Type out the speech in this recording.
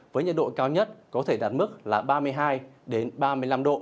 với nhiệt độ cao nhất có thể đạt mức là ba mươi hai ba mươi năm độ